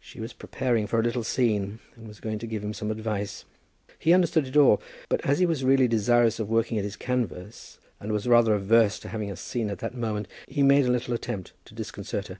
She was preparing for a little scene, and was going to give him some advice. He understood it all, but as he was really desirous of working at his canvas, and was rather averse to having a scene at that moment, he made a little attempt to disconcert her.